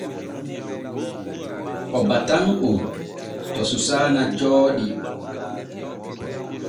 O batan on to Susaana Jooɗi.